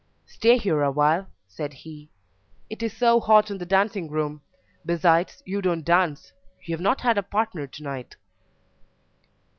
"Stay here awhile," said he: "it is so hot in the dancing room; besides, you don't dance; you have not had a partner to night."